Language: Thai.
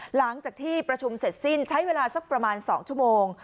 หลังจากที่ประชุมเสร็จสิ้นใช้เวลาสักประมาณ๒ชั่วโมง